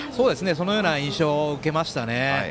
そのような印象を受けましたね。